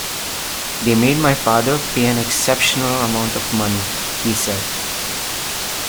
"They made my father pay an exceptional amount of money", he said.